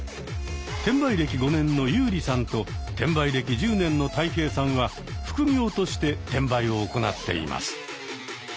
転売歴５年のユーリさんと転売歴１０年のタイヘイさんは副業として転売を行っています。